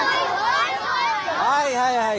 はいはいはい。